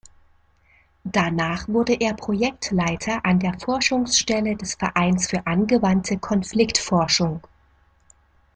Danach wurde er Projektleiter an der Forschungsstelle des Vereins für angewandte Konfliktforschung.